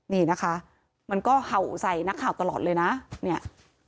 นี่นะคะมันก็เห่าใส่นักข่าวตลอดเลยนะเนี่ย